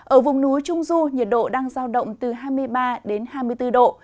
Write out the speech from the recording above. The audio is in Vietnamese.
ở vùng núi trung du nhiệt độ đang giao động từ hai mươi ba đến hai mươi bốn độ